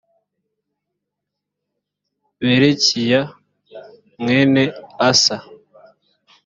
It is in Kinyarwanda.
berekiya mwene asa